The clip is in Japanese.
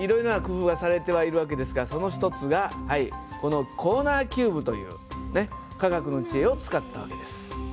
いろいろな工夫がされてはいる訳ですがその一つがこのコーナーキューブという科学の知恵を使った訳です。